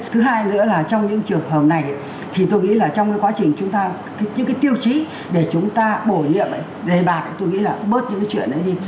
thứ hai nữa là trong những trường hợp này thì tôi nghĩ là trong cái quá trình chúng ta những cái tiêu chí để chúng ta bổ nhiệm lại đề bạt tôi nghĩ là bớt những cái chuyện ấy đi